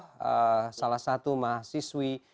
eee salah satu mahasiswi